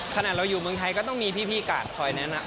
ขนาดเราอยู่เมืองไทยก็ต้องมีพี่การ์ดคอยนั้น่ะเดินนำเรา